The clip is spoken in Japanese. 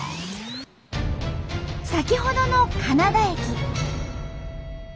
先ほどの金田駅。